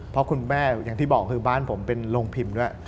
เพราะคุณแม่อย่างที่บอกคือบ้านผมเป็นโรงพิมพ์ด้วย